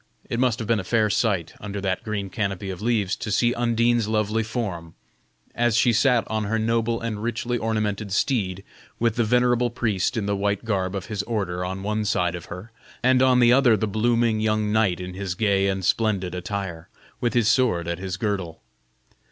It must have been a fair sight, under that green canopy of leaves, to see Undine's lovely form, as she sat on her noble and richly ornamented steed, with the venerable priest in the white garb of his order on one side of her, and on the other the blooming young knight in his gay and splendid attire, with his sword at his girdle.